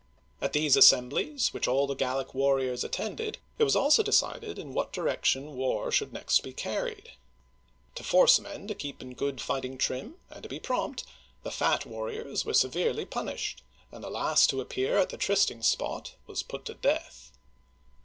At these assemblies, which all the Gallic warriors attended, it was also decided in what direction war should next be carried. To force men to keep in good fighting trim and to be prompt, the fat warriors were severely punished, and the last to appear at the trysting spot was put to death.